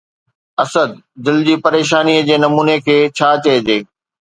اسد! دل جي پريشانيءَ جي نموني کي ڇا چئجي؟